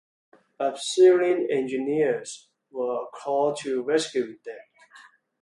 Abseiling engineers were called to rescue them.